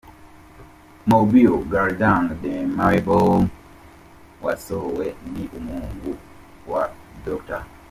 Mabior Garang de Mabior wasohowe ni umuhungu wa Dr.